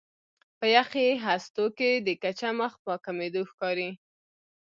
په یخي هستو کې د کچه مخ په کمېدو ښکاري.